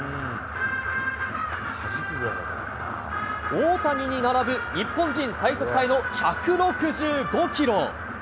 大谷に並ぶ、日本人最速タイの１６５キロ。